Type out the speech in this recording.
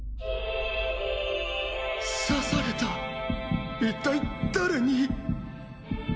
刺された一体誰に？